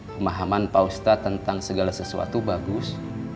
pemahaman powesta tentang segala sesuatu bagus